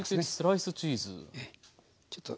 スライスチーズ。